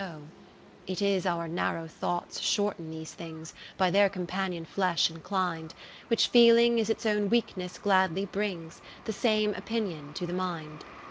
XVII It is our narrow thoughts shorten these things, By their companion flesh inclin'd ; Which feeling its own weakness glad ly brings The same opinion to the mind.